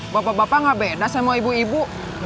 bapak bapak nggak beda sama ibu ibu